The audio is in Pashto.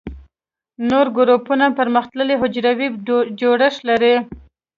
نور ګروپونه پرمختللي حجروي جوړښت لري.